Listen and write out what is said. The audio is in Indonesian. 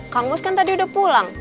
kang us kan tadi udah pulang